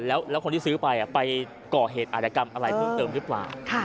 แล้วคนที่ซื้อไปไปก่อเหตุอาจกรรมอะไรเพิ่มเติมหรือเปล่า